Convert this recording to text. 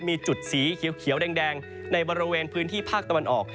มีจุดสีเขียวแดงในบริเวณพื้นที่ภาคตะวันออก